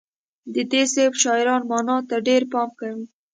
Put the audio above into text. د دې سبک شاعران معنا ته ډیر پام کوي